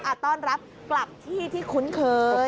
ต้อนรับกลับที่ที่คุ้นเคย